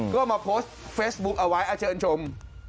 ก็มาโพสต์เฟซบุ๊คเอาไว้เชิญชม